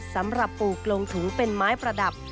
สำหรับปลูกลงถุงเป็นไม้ประดับ